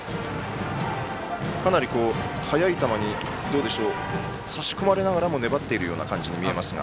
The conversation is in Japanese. かなり速い球に差し込まれながらも粘っているような感じに見えますが。